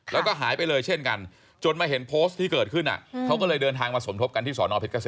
แล้วก็หายไปเลยเช่นกันจนมาเห็นโพสต์ที่เกิดขึ้นเขาก็เลยเดินทางมาสมทบกันที่สอนอเพชรเกษม